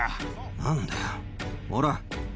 何だよほら。